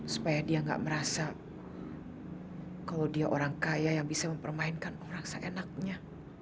supaya dia nggak merasa kalau dia orang kaya yang bisa mempermainkan orang seenaknya